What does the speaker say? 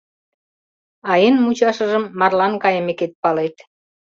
А эн мучашыжым марлан кайымекет палет.